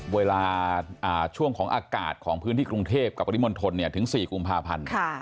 เวลาช่วงของอากาศของพื้นที่กรุงเทพกับปริมณฑลถึง๔กุมภาพันธ์